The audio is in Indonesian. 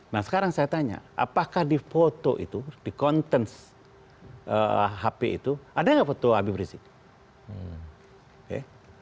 nah sekarang saya tanya apakah di foto itu di kontens hp itu ada nggak foto habib rizik